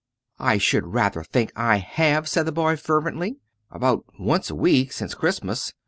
"I should rather think I have!" said the boy, fervently. "About once a week since Christmas.